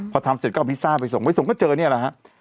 พอทำเสร็จก็เอาพิซซ่าไปส่งไปส่งก็เจอนี่แหละฮะ